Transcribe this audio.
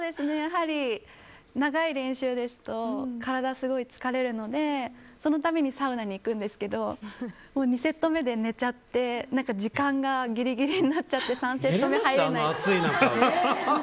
長い練習ですと体がすごい疲れるのでその度にサウナに行くんですけど２セット目で寝ちゃって時間がぎりぎりになっちゃって３セット目に入っちゃう。